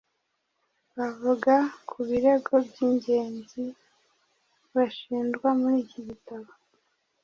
bavuga ku birego by'ingenzi bashinjwa muri iki gitabo,